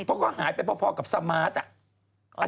เพราะก็หายไปพอกับสมาร์ทอะ